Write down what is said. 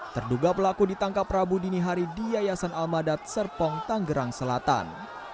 terduga pelaku ditangkap rabu dini hari di yayasan almadat serpong tanggerang selatan